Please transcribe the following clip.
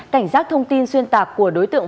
cảnh giác thông tin xuyên tạc của đối tượng